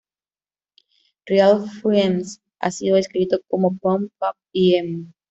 Real Friends ha sido descrito como pop punk y emo.